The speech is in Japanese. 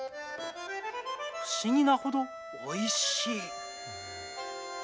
不思議なほど、おいしい！